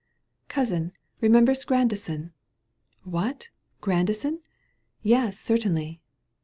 Cousin, rememb'rest Grandison?" "What! Grandison?"— "Yes, certainly!''